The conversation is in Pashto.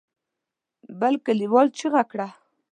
بل کليوال چيغه کړه.